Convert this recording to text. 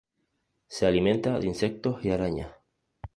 Se alimenta de insectos y arañas.